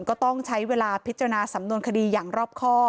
ก็ต้องใช้เวลาพิจารณาสำนวนคดีอย่างรอบข้อ